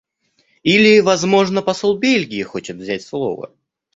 Или, возможно, посол Бельгии хочет взять слово?